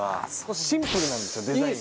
シンプルなんですよデザインが。